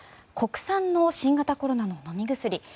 国産の新型コロナの飲み薬。